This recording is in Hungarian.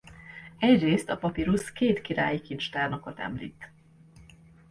Egyrészt a papirusz két királyi kincstárnokot említ.